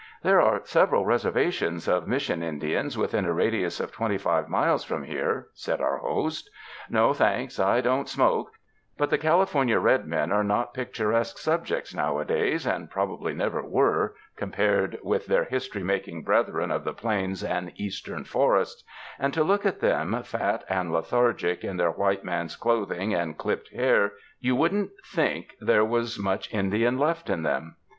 "There are several reservations of Mission In dians within a radius of twenty five miles from here," said our host, "— no, thanks, I don't smoke — but the California red men are not picturesque subjects nowadays and probably never were, com pared with their history making brethren of the plains and eastern forests; and to look at them, fat and lethargic in their white man's clothing and clipped hair, you wouldn't think there was much Indian left in them.